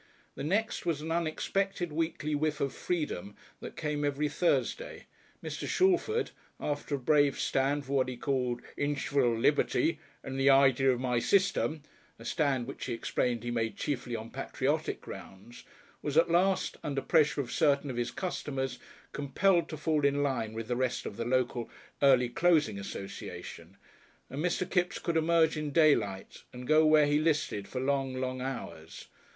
The next was an unexpected weekly whiff of freedom that came every Thursday. Mr. Shalford, after a brave stand for what he called "Innyvishal lib'ty" and the "Idea of my System," a stand which he explained he made chiefly on patriotic grounds, was at last, under pressure of certain of his customers, compelled to fall in line with the rest of the local Early Closing Association, and Mr. Kipps could emerge in daylight and go where he listed for long, long hours.